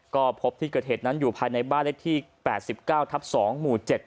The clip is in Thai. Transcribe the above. ก็พบที่เกิดเหตุนั้นอยู่ภายในบ้านเลขที่๘๙ทับ๒หมู่๗